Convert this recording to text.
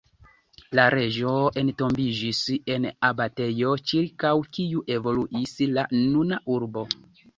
La reĝo entombiĝis en abatejo ĉirkaŭ kiu evoluis la nuna urbo.